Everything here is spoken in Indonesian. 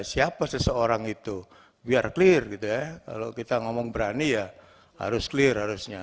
siapa seseorang itu biar clear gitu ya kalau kita ngomong berani ya harus clear harusnya